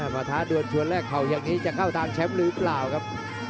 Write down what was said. มาท้าดวนชวนแรกเข่าอย่างนี้จะเข้าทางแชมป์หรือเปล่าครับ